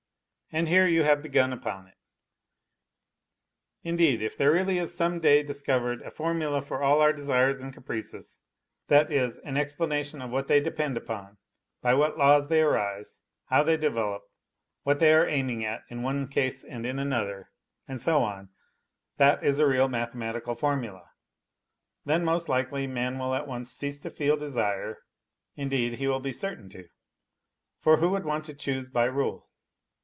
And here you have begun upon it. Indeed, if there really is some day discovered a formula for all our desires and caprices that is, an explanation of what they depend upon, by what laws they arise, how they 70 NOTES FROM UNDERGROUND develop, what they are aiming at in one case and in another and so on, that is a real mathematical formula then, most likely, man will at once cease to feel desire, indeed, he will be certain to. For who would want to choose by rule